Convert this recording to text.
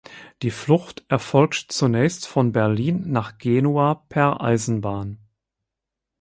Die Flucht erfolgt zunächst von Berlin nach Genua per Eisenbahn.